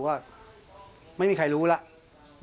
ว่าไม่มีใครรู้แล้ว